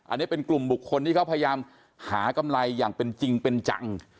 อันนี้เป็นกลุ่มบุคคลที่เขาพยายามหากำไรอย่างเป็นจริงเป็นจัง